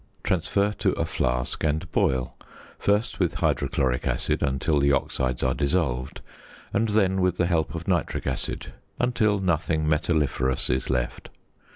Transfer to a flask; and boil, first with hydrochloric acid until the oxides are dissolved, and then with the help of nitric acid, until nothing metalliferous is left.